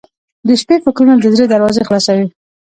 • د شپې فکرونه د زړه دروازې خلاصوي.